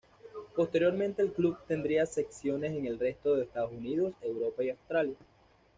Posteriormente el club tendría secciones en el resto de Estados Unidos, Europa y Australia.